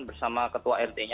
bersama ketua rti